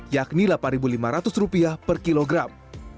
yakni rp delapan lima ratus per kilogram